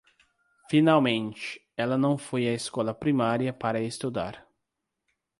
Finalmente, ela não foi à escola primária para estudar.